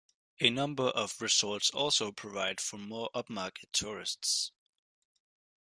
A number of resorts also provide for more upmarket tourists.